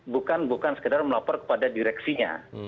bukan sekedar melapor kepada direksinya